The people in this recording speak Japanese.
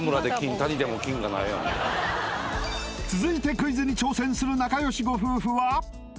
続いてクイズに挑戦する仲良しご夫婦は？